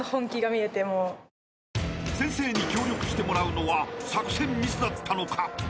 ［先生に協力してもらうのは作戦ミスだったのか？］